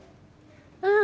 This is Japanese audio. うん。